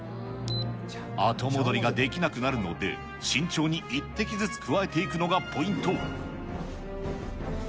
後戻りができなくなるので、慎重に１滴ずつ加えていくのがポイント。